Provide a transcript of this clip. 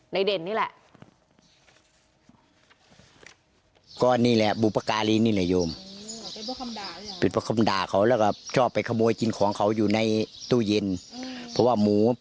เด่นนี่แหละ